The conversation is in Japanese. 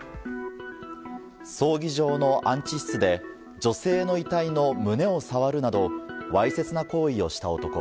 葬儀場の安置室で女性の遺体の胸を触るなどわいせつな行為をした男。